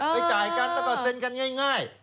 ไปจ่ายกันแล้วก็เซ็นกันง่าย